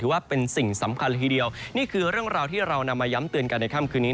ว่าเป็นสิ่งสำคัญเลยทีเดียวนี่คือเรื่องราวที่เรานำมาย้ำเตือนกันในค่ำคืนนี้